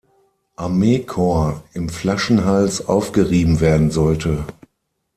Armeekorps im „Flaschenhals“ aufgerieben werden sollte.